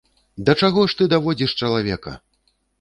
Да чаго ж ты даводзіш чалавека!